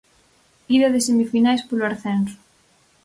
Ida de semifinais polo ascenso.